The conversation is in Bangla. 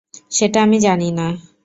সেটা আমি জানি না।